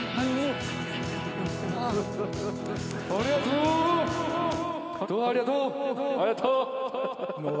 ありがとう。